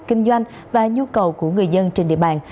kinh doanh và nhu cầu của người dân trên địa bàn